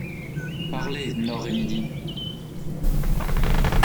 Parlez, Nord et Midi!